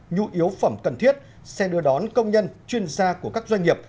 nhu yếu phẩm cần thiết xe đưa đón công nhân chuyên gia của các doanh nghiệp